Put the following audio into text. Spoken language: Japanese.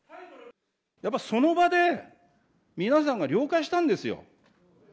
その場で皆さんが了解したんですよ。